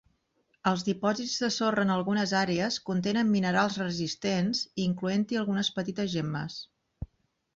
Els dipòsits de sorra en algunes àrees contenen minerals resistents, incloent-hi algunes petites gemmes.